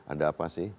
ada apa sih